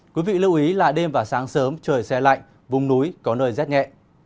quý vị lưu ý là đêm và sáng sớm trời xe lạnh vùng núi có nơi rét nhẹ